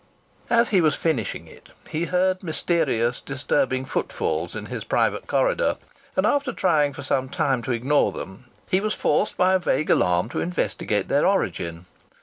As he was finishing it he heard mysterious, disturbing footfalls in his private corridor, and after trying for some time to ignore them, he was forced by a vague alarm to investigate their origin.